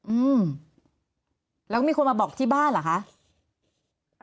อืมแล้วก็มีคนมาบอกที่บ้านเหรอคะ